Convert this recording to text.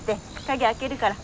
鍵開けるから。